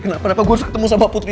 kenapa napa gue harus ketemu sama putri